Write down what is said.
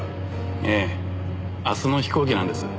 ええ明日の飛行機なんです。